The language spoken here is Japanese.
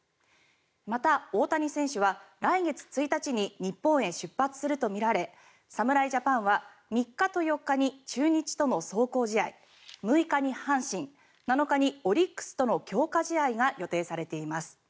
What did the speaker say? また、大谷選手は来月１日に日本へ出発するとみられ侍ジャパンは３日と４日に中日との壮行試合６日に阪神７日にオリックスとの強化試合が予定されています。